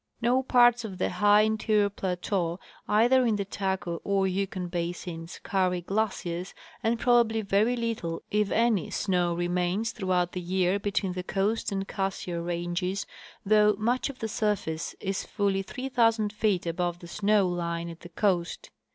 No parts of the high interior plateau, either in the Taku or Yukon basins, carry glaciers, and probably very little, if any, snow remains throughout the year between the Coast and Cassiar ranges, though much of the surface is fully 3,000 feet above the snow line at the coast.